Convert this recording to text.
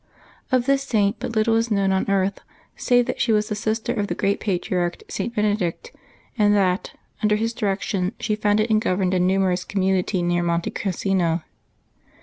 OF this Saint but little is known on earth, save that she was the sister of the great patriarch St. Benedict, and that, under his direction, she founded and governed a numerous community near Monte Casino.